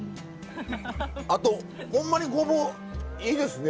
あとほんまにごぼういいですね。